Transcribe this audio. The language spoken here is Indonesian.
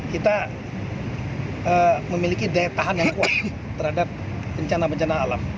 kita memiliki daya tahan yang kuat terhadap bencana bencana alam